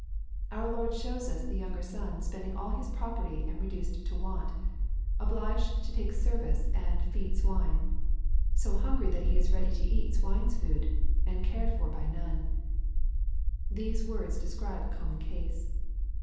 Our Lord shows us tha youuger sou spending all his property and reduced to want, — obliged to take service and *^ feed swiue/' — so hungry that he is ready to eat swine's food, and cared for by none. These words describe a common case.